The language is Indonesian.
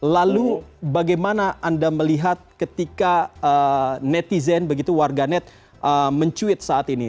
lalu bagaimana anda melihat ketika netizen begitu warganet mencuit saat ini